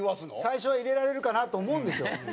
最初は入れられるかなと思うんですよ。